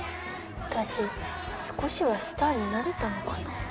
私少しはスターになれたのかな。